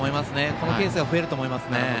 このケースが増えると思います。